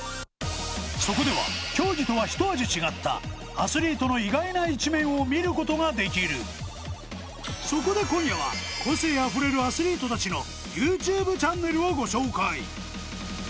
そこでは競技とは一味違ったアスリートの意外な一面を見ることができるそこで今夜は個性あふれるアスリートたちのＹｏｕＴｕｂｅチャンネルをご紹介